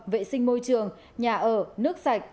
vệ sinh môi trường nhà ở nước sạch